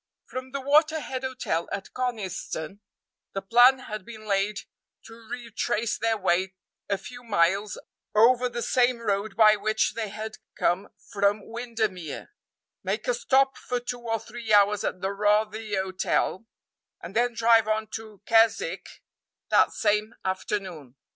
From the Waterhead Hotel, at Coniston, the plan had been laid to retrace their way a few miles over the same road by which they had come from Windermere, make a stop for two or three hours at the Rothay Hotel, and then drive on to Keswick that same afternoon.